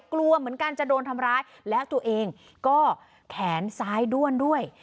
กลัวเหมือนกันจะโดนทำร้ายแล้วตัวเองก็แขนซ้ายด้วนด้วย